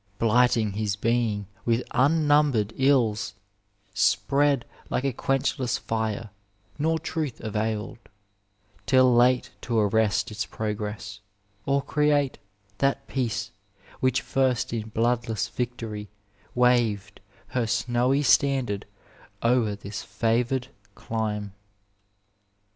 Blighting his heing with mmumbered iUs, Spread like a quenchless fire ; nor truth availed Till late to arrest its progress, or create That peace which first in bloodless victory waved Her snowy standard o*er this favoured dime.